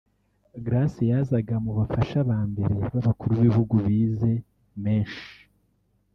Grace yazaga mu bafasha ba mbere b’abakuru b’ibihugu bize menshi